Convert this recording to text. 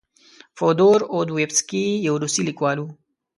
فودور اودویفسکي یو روسي لیکوال و.